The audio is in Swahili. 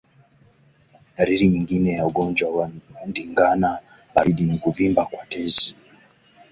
Dalili nyingine ya ugonjwa wa ndigana baridi ni kuvimba kwa tezi